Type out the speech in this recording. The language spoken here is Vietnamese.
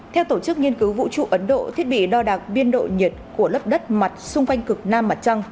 theo tổ chức nghiên cứu vũ trụ ấn độ thiết bị đo đạc biên độ nhiệt của lớp đất mặt xung quanh cực nam mặt trăng